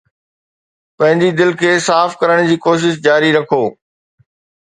پنهنجي دل کي صاف ڪرڻ جي ڪوشش جاري رکو.